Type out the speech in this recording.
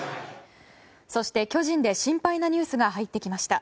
そして巨人で心配なニュースが入ってきました。